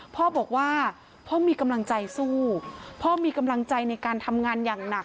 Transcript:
พ่อบอกว่าพ่อมีกำลังใจสู้พ่อมีกำลังใจในการทำงานอย่างหนัก